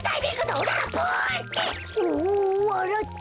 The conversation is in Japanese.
おおわらった！